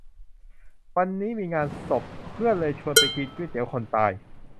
วันนี้มีงานศพ เพื่อนเลยชวนไปกินก๋วยเตี๋ยวคนตาย